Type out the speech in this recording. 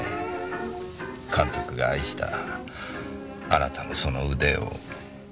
監督が愛したあなたのその腕を。